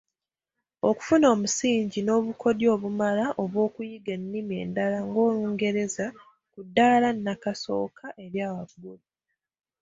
Okufuna omusingi n’obukodyo obumala obw’okuyiga ennimi endala ng’olungereza ku ddaala nnakasooka erya waggulu.